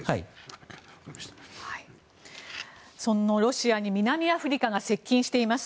そのロシアに南アフリカが接近しています。